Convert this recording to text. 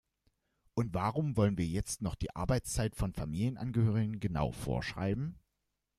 Und warum wollen wir jetzt noch die Arbeitszeit von Familienangehörigen genau vorschreiben?